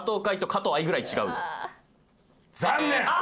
残念！